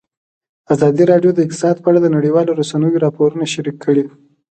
ازادي راډیو د اقتصاد په اړه د نړیوالو رسنیو راپورونه شریک کړي.